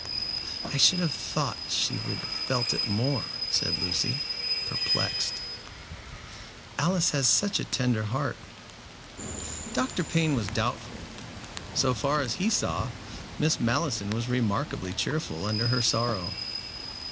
"I should have thought she would have felt it more," said Lucy, perplexed. "Alice has such a tender heart." Dr. Payne was doubtful. So far as he saw, Miss Malleson was remarkably cheerful under her sorrow.